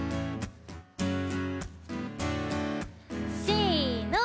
せの。